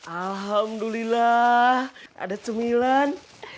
alhamdulillah ada cemilan